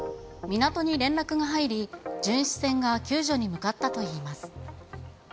港に連絡が入り、巡視船が救助に向かったといいます。